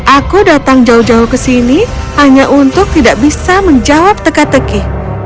aku datang jauh jauh ke sini hanya untuk tidak bisa menjawab teka teki